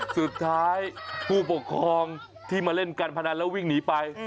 สุดท้ายผู้ปกครองที่มาเล่นการพนันแล้ววิ่งหนีไป